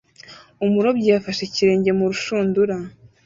Umurobyi yafashe ikirenge mu rushundura